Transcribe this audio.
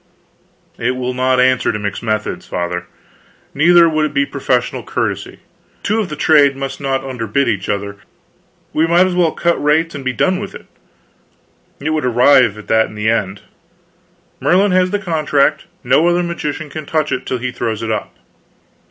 "It will not answer to mix methods, Father; neither would it be professional courtesy. Two of a trade must not underbid each other. We might as well cut rates and be done with it; it would arrive at that in the end. Merlin has the contract; no other magician can touch it till he throws it up."